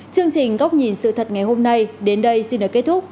chương trình góc nhìn sự thật ngày hôm nay đến đây xin được kết thúc